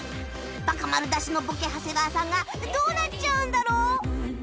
バカ丸出しのボケ長谷川さんがどうなっちゃうんだろう？